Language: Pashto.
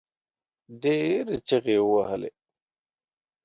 ډېرې چيغې يې وهلې.